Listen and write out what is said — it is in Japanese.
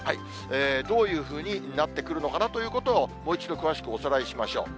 どういうふうになってくるのかなということを、もう一度、詳しくおさらいしましょう。